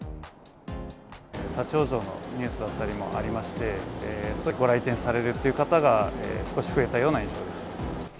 立往生のニュースだったりもありまして、ご来店されるという方が少し増えたような印象です。